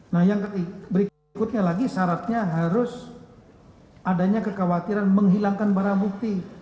nah yang berikutnya lagi syaratnya harus adanya kekhawatiran menghilangkan barang bukti